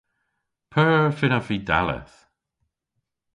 P'eur fynnav vy dalleth?